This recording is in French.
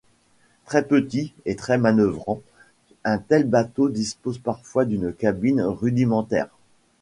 Très petit et très manœuvrant, un tel bateau dispose parfois d'une cabine rudimentaire.